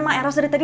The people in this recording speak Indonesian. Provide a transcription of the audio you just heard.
mak eros juga tahu